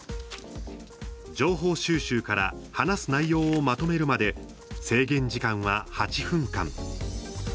情報収集から話す内容をまとめるまで、制限時間は８分間。